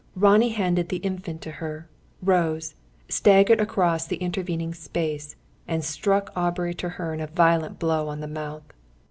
Ronnie handed the Infant to her; rose, staggered across the intervening space, and struck Aubrey Treherne a violent blow on the mouth.